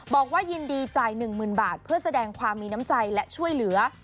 บอกว่ายินดีจ่าย๑๐๐๐บาทเพื่อแสดงความมีน้ำใจและช่วยเหลือ